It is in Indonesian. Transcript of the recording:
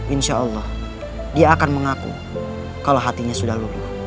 insya allah dia akan mengaku kalau hatinya sudah luluh